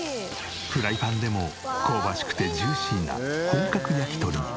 フライパンでも香ばしくてジューシーな本格焼き鳥に。